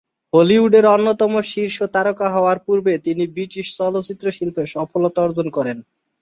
হলিউডের অন্যতম শীর্ষ তারকা হওয়ার পূর্বে তিনি ব্রিটিশ চলচ্চিত্র শিল্পে সফলতা অর্জন করেন।